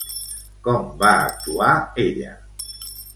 Com va actuar ella?